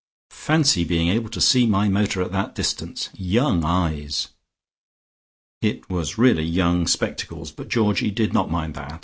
"Fancy being able to see my motor at that distance. Young eyes!" It was really young spectacles, but Georgie did not mind that.